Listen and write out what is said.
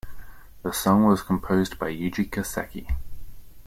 The song was composed by Yuji Koseki.